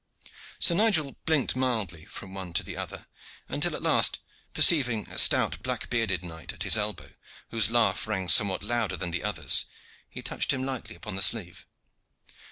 Sir Nigel blinked mildly from one to the other, until at last perceiving a stout black bearded knight at his elbow, whose laugh rang somewhat louder than the others, he touched him lightly upon the sleeve.